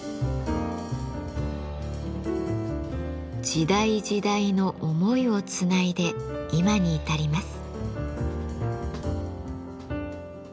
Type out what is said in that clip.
時代時代の思いをつないで今に至ります。